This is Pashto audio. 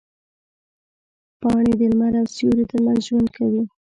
پاڼې د لمر او سیوري ترمنځ ژوند کوي.